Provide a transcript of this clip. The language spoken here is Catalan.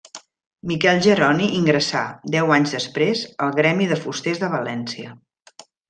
Miquel Jeroni ingressà, deu anys després, al gremi de fusters de València.